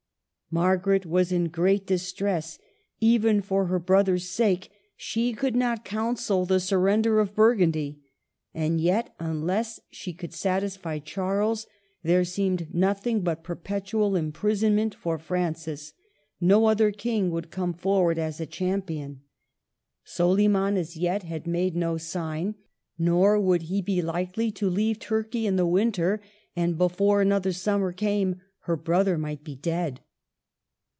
Margaret was in great distress. Even for her brother's sake she could not counsel the surren der of Burgundy. And yet, unless she could satisfy Charles, there seemed nothing but per petual imprisonment for Francis. No other king would come forward as a champion. 7 9^ MARGARET OF ANGOULMmE. Soliman as yet had made no sign, nor would he be likely to leave Turkey in the winter, and before another summer came her brother might be dead.